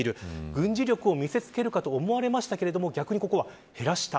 軍事力を見せつけるかと思われていましたが逆に、減らした。